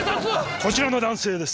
こちらの男性です。